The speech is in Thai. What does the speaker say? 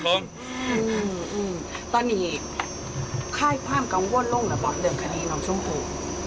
ตอนนี้ไข้พลาสติกมัดบ้านกันว่าลงหรือเปล่าเดินคณีนขณะที่น้องชมพู่